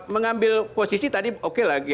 mengambil posisi tadi oke lagi